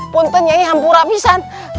punten nyai hampura pisan